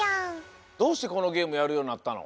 どうしてこのゲームやるようになったの？